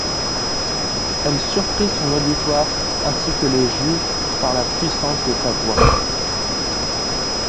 Elle surprit son auditoire ainsi que les juges par la puissance de sa voix.